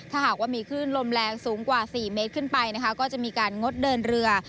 ถ้าหากว่ามีคลื่นลมแรงสูงกว่า๔เมตรขึ้นไปนะคะก็จะมีการงดเดินเรือ